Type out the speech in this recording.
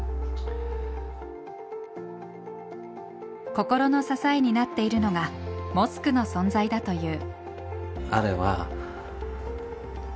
心の支えになっているのがモスクの存在だという。